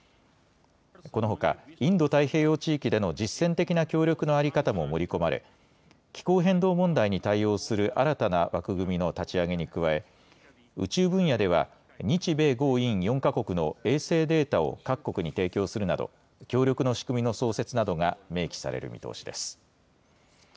このほかインド太平洋地域での実践的な協力の在り方も盛り込まれ気候変動問題に対応する新たな枠組みの立ち上げに加え宇宙分野では日米豪印４か国の衛星データを各国に提供するなど協力の仕組みの創設などが明記される見通しです。